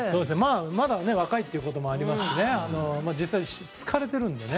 まだ若いということもありますし実際、疲れてるのでね。